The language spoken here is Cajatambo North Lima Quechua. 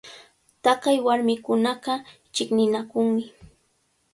Taqay warmikunaqa chiqninakunmi.